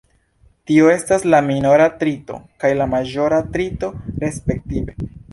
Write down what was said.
Tio estas la minora trito kaj la maĵora trito, respektive.